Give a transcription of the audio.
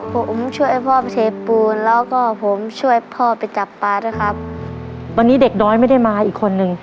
ผมช่วยพ่อไปเทปูนแล้วก็ผมช่วยพ่อไปจับปลาด้วยครับวันนี้เด็กน้อยไม่ได้มาอีกคนนึง